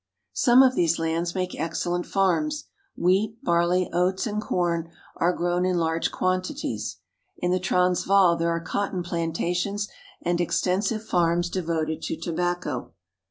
^^^Bi Some of these lands make excellent farms. Wheat, ^^^^narley, oats, and corn are grown in large quantities. In ^^^Btiie Transvaal there are cotton plantations and extensive ^^^Bfarms devoted to tobacco.